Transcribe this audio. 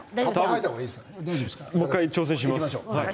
もう１回挑戦します。